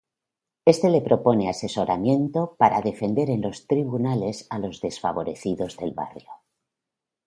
Éste le propone asesoramiento para defender en los tribunales a los desfavorecidos del barrio.